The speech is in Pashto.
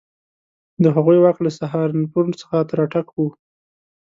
د هغوی واک له سهارنپور څخه تر اټک وو.